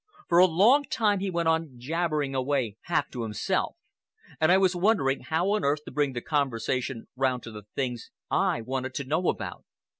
For a long time he went on jabbering away half to himself, and I was wondering how on earth to bring the conversation round to the things I wanted to know about.